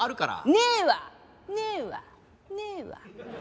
ねえわねえわねえわ。